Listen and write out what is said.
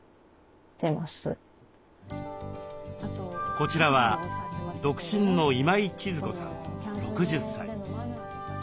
こちらは独身の今井千鶴子さん６０歳。